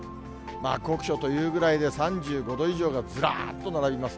酷暑というぐらいで、３５度以上がずらーっと並びます。